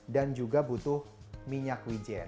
dan juga butuh minyak wijen